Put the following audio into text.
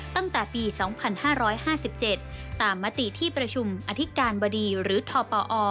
ตั้งแต่ปี๒๕๕๗ตามมติที่ประชุมอธิการบดีหรือทปอ